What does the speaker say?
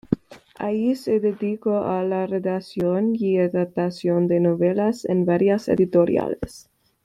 Allí se dedicó a la redacción y adaptación de novelas en varias editoriales.